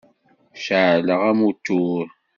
Ceεleɣ amutur.